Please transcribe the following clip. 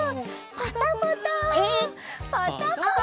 パタパタパタパタ。